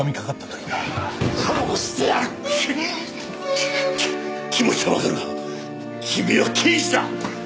き気持ちはわかるが君は刑事だ！